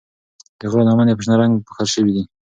د غرو لمنې په شنه رنګ پوښل شوي دي.